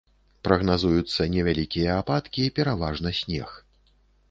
Прагназуюцца невялікія ападкі, пераважна снег.